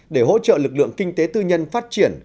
để hỗ trợ lực lượng kinh tế tư nhân phát triển